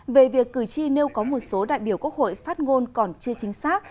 về việc cử tri nếu có một số đại biểu quốc hội phát ngôn còn chưa chính xác